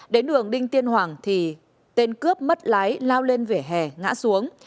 đến đường đinh tiên hoàng thì tên cướp mất lái lao lên vỉa hè ngã xuống